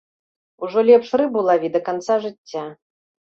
Ужо лепш рыбу лаві да канца жыцця.